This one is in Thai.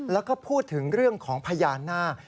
แล้วก็พูดถึงเรื่องของพญานาค